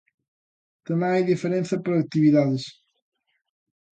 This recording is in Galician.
Tamén hai diferenza por actividades.